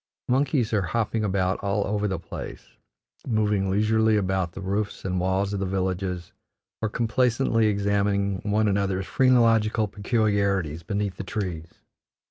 Monkeys are hopping about all over the place, moving leisurely about the roofs and walls of the villages, or complacently examining one another's phrenological peculiarities beneath the trees.